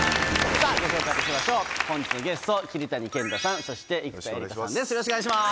さぁご紹介いたしましょう本日のゲスト桐谷健太さんそして生田絵梨花さんです